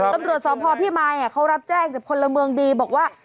ตำรวจสพพี่มายเขารับแจ้งจากพลเมืองดีบอกว่า